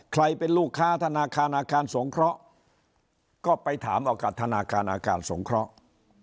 ใครเป็นลูกค้าธนาคารอาคารสงเคราะห์ก็ไปถามเอากับธนาคารอาคารสงเคราะห์